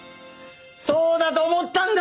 そうだと思ったんだ！